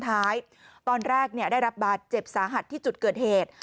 ท้ายตอนแรกเนี้ยได้รับบาดเจ็บสาหัดที่จุดเกิดเหตุ